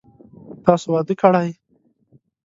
تاسو واده کړئ ؟